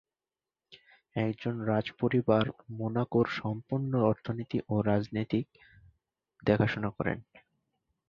একটি রাজ পরিবার মোনাকোর সম্পূর্ণ অর্থনীতি ও রাজনৈতিক দেখাশোনা করে।